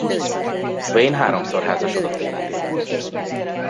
Wayne háromszor házasodott életében.